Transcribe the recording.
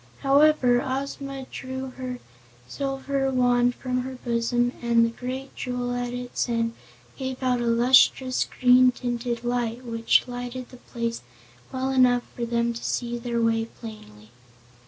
However, Ozma drew her silver wand from her bosom and the great jewel at its end gave out a lustrous, green tinted light which lighted the place well enough for them to see their way plainly.